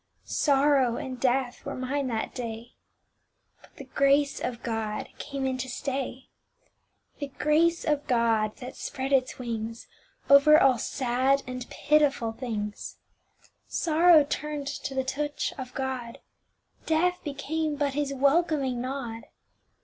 Sorrow and death were mine that day, But the Grace of God came in to stay; The Grace of God that spread its wings Over all sad and pitiful things. Sorrow turned to the touch of God, Death became but His welcoming nod.